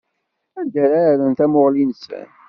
Anda ara rren tamuɣli-nsen.